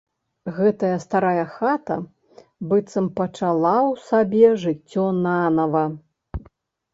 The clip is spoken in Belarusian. Гэтая старая хата быццам пачала ў сабе жыццё нанава.